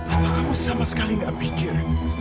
apa kamu sama sekali gak pikir